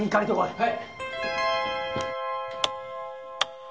はい。